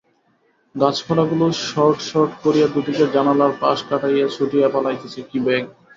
গাছপালাগুলো সর্টসট করিয়া দুদিকের জানালার পাশ কাটাইয়া ছুটিয়া পলাইতেছে-কী বেগ!